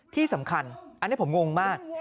ที่สำคัญอันนี้ผมงงมาก